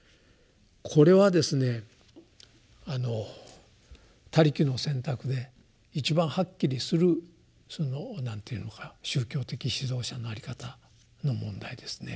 これはですね「他力」の選択で一番はっきりするその何ていうのか宗教的指導者の在り方の問題ですね。